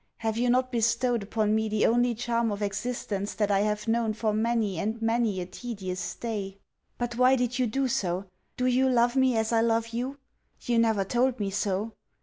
Have you not bestowed upon me the only charm of existence that I have known for many and many a tedious day? But why did you do so? Do you love me as I love you? You never told me so.